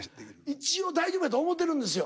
一応大丈夫やと思ってるんですよ。